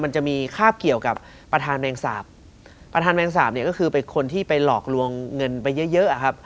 มันจะมีคาบเกี่ยวกับประธานแมงสาปประธานแมงสาปเนี่ยก็คือเป็นคนที่ไปหลอกลวงเงินไปเยอะเยอะอะครับ